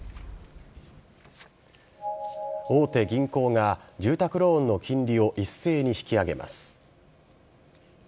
大手銀行が住宅ローンの金利を一斉に引き上げます。